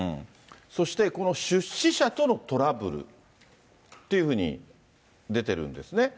そして、この出資者とのトラブルっていうふうに出てるんですね。